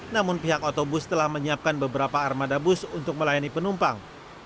namun pihak otobus telah menyiapkan beberapa armada bus untuk melayani penumpang